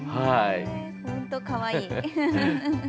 本当かわいい。